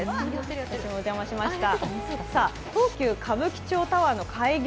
私もお邪魔しました。